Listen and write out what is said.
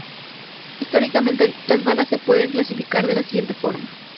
Históricamente, las balas se pueden clasificar de la siguiente forma.